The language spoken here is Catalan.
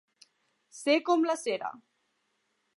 Ser com la cera.